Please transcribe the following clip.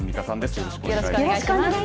よろしくお願いします。